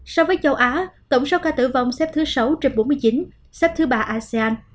so với châu á tổng số ca tử vong xếp thứ sáu trên bốn mươi chín xếp thứ ba asean